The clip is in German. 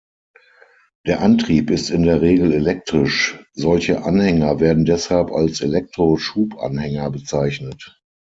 Der Antrieb ist in der Regel elektrisch; solche Anhänger werden deshalb als Elektro-Schubanhänger bezeichnet.